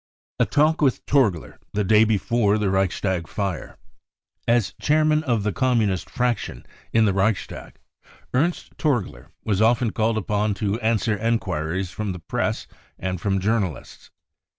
A Talk with Torgler the Day Before the Reichstag Fire. As chairman of the Communist fraction in the Reichstag, Ernst Torgler was often called upon to answer enquiries from the Press and from journalists.